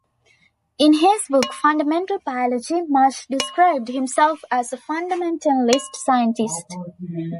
In his book "Fundamental Biology", Marsh described himself as a "fundamentalist scientist".